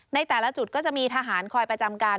ในแต่ละจุดก็จะมีทหารคอยประจำการ